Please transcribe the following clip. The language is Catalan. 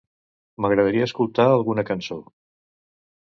M'agradaria escoltar alguna cançó.